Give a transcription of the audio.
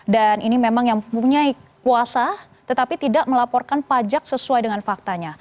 dan ini memang yang punya kuasa tetapi tidak melaporkan pajak sesuai dengan faktanya